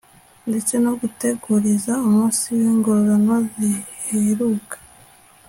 ndetse no guteguriza umunsi w'ingororano ziheruka